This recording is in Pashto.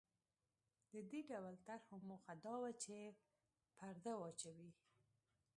د دې ډول طرحو موخه دا وه چې پرده واچوي.